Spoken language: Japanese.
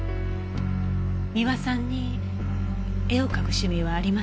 三輪さんに絵を描く趣味はありましたか？